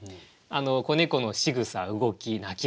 子猫のしぐさ動き鳴き声